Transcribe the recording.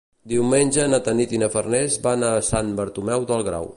Diumenge na Tanit i na Farners van a Sant Bartomeu del Grau.